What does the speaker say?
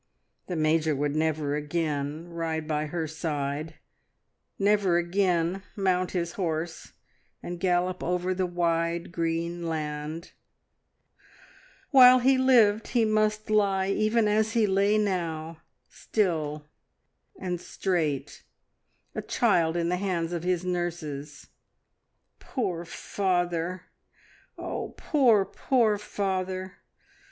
The Major would never again ride by her side, never again mount his horse and gallop over the wide green land; while he lived he must lie even as he lay now, still and straight, a child in the hands of his nurses! Poor father! oh, poor, poor father!